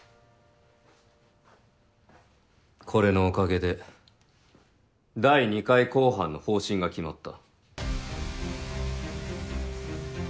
これのおかげで第二回公判の方針が決まった。